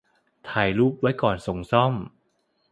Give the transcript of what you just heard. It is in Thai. ถ่ายรูปไว้ก่อนส่งซ่อม